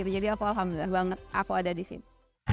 jadi aku alhamdulillah banget aku ada di situ